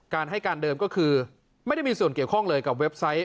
การให้การเดิมก็คือไม่ได้มีส่วนเกี่ยวข้องเลยกับเว็บไซต์